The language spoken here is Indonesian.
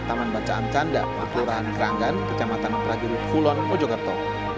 taman bacaan canda maklurahan kerangan kecamatan prageru kulon mojokerto